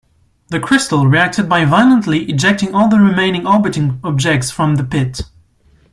The crystal reacted by violently ejecting all the remaining orbiting objects from the pit.